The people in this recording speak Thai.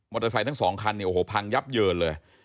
เตอร์ไซค์ทั้งสองคันเนี่ยโอ้โหพังยับเยินเลย